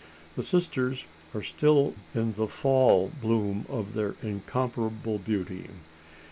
The sisters are still in the fall bloom of their incomparable beauty.